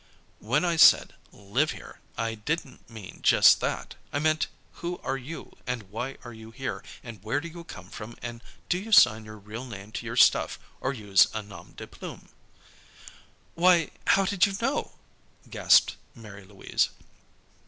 "When I said, 'Live here,' I didn't mean just that. I meant who are you, and why are you here, and where do you come from, and do you sign your real name to your stuff, or use a nom de plume?" "Why how did you know?" gasped Mary Louise.